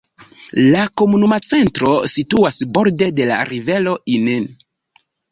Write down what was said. La komunuma centro situas borde de la rivero Inn.